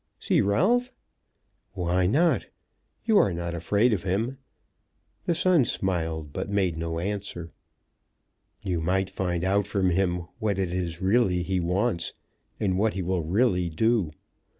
"See Ralph?" "Why not? You are not afraid of him." The son smiled, but made no answer. "You might find out from him what it is he really wants; what he will really do.